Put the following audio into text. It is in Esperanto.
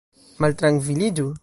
maltrankviliĝu